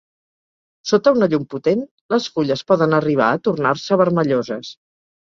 Sota una llum potent les fulles poden arribar a tornar-se vermelloses.